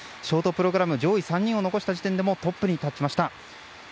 ショートプログラム上位３人を残した時点でもトップに立ちました。